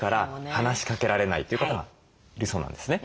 話しかけられないという方がいるそうなんですね。